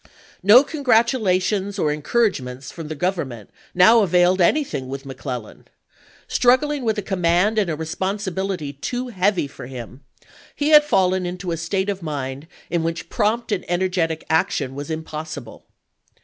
No congi'atulations or encouragements from the Government now availed anything with McClellan. Struggling with a command and a responsibility too heavy for him, he had fallen into a state of mind in which prompt and energetic action was impossible.